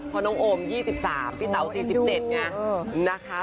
พ่อน้องโอม๒๓พี่เต๋า๔๗ไง